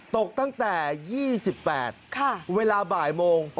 ตกตั้งแต่๒๘เวลาบ่ายโมง